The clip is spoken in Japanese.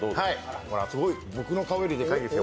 僕の顔よりでかいですよ。